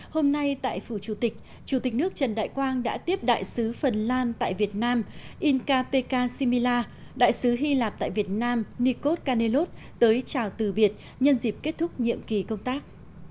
hôm nay tại phủ chủ tịch chủ tịch nước trần đại quang đã tiếp đại sứ phần lan tại việt nam inca peka shimila đại sứ hy lạp tại việt nam nikos canellos tới chào từ biệt nhân dịp kết thúc nhiệm kỳ công tác